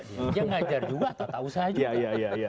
dia mengajar juga tata usaha juga